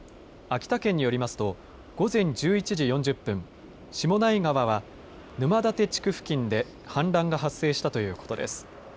秋田県によりますと午前１１時４０分、下内川は沼館地区付近で氾濫が発生したということです。